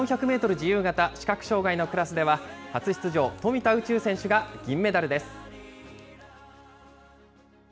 自由形視覚障害のクラスでは、初出場、富田宇宙選手が銀メダルです。